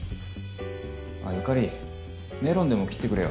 あ由香里メロンでも切ってくれよ。